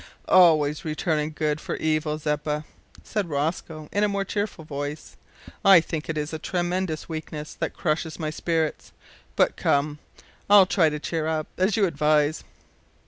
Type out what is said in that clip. "Always returning good for evil, Zeppa," said Rosco, in a more cheerful voice. "I think it is this tremendous weakness that crushes my spirits, but come I'll try to `cheer up,' as you advise."